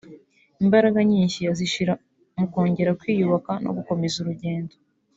imbaraga nyinshi azishyira mu kongera kwiyubaka no gukomeza urugendo